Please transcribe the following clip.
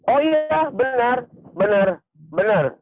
oh iya benar benar